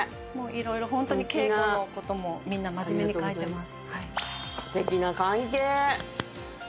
ホントに稽古のこともみんな真面目に書いてます。